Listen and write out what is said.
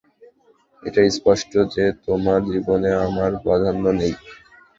এটা স্পষ্ট যে তোমার জীবনে আমার প্রাধ্যান্য নেই।